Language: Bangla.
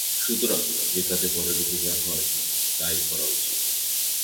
সুতরাং যে কাজে পরের উপকার হয়, তাই করা উচিত।